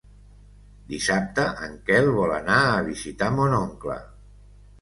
Dissabte en Quel vol anar a visitar mon oncle.